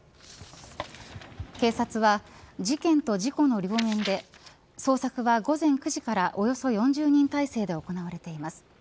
警察は事件と事故の両面で捜索は午前９時からおよそ４０人態勢で行われています。